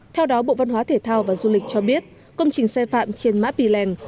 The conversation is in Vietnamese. theo đó bộ văn hóa thể thao và du lịch cho biết công trình xây phạm trên mã pì lèng